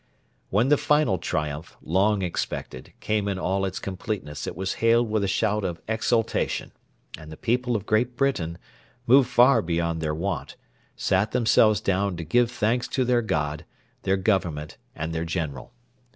When the final triumph, long expected, came in all its completeness it was hailed with a shout of exultation, and the people of Great Britain, moved far beyond their wont, sat themselves down to give thanks to their God, their Government, and their General.